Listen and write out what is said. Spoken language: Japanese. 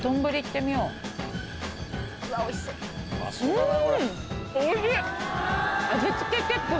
うん！